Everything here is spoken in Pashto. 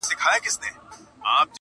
نن دي سترګي سمي دمي میکدې دي ,